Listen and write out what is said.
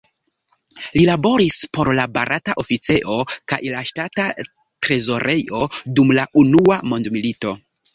Li laboris por la Barata Oficejo kaj la Ŝtata Trezorejo dum la Unua Mondmilito.